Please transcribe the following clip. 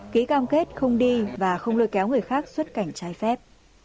ký cam kết không đi và không lôi kéo người khác xuất cảnh trái phép